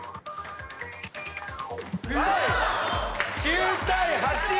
９対８。